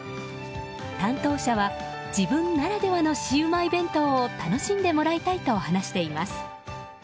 担当者は自分ならではのシウマイ弁当を楽しんでもらいたいと話しています。